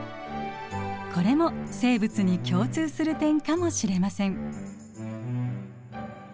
これも生物に共通する点かもしれません。